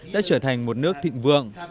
đã trở thành một nước thịnh vượng